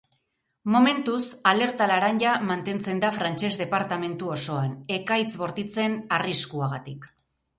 Momentuz, alerta laranja mantentzen da frantsez departamentu osoan, ekaitz bortitzen arriskuagatik.